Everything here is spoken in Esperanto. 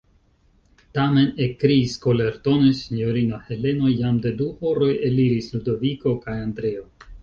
Tamen, ekkriis kolertone sinjorino Heleno, jam de du horoj eliris Ludoviko kaj Andreo.